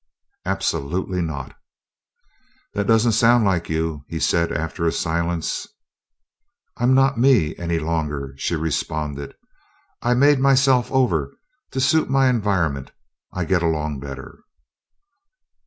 "Absolutely not." "That doesn't sound like you," he said after a silence. "I'm not 'me' any longer," she responded. "I made myself over to suit my environment. I get along better."